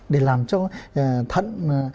để làm cho thận